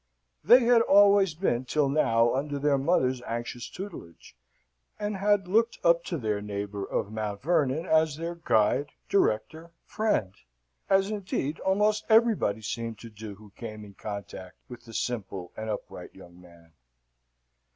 They had always been till now under their mother's anxious tutelage, and had looked up to their neighbour of Mount Vernon as their guide, director, friend as, indeed, almost everybody seemed to do who came in contact with the simple and upright young man.